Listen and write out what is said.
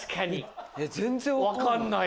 全然分かんない。